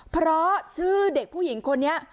เพราะชื่อเด็กผู้หญิงคนนี้